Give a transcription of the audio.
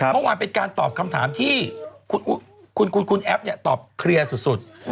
เมื่อวานเป็นการตอบคำถามที่คุณแอฟตอบเคลียร์สุด